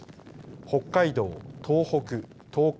北海道、東北、東海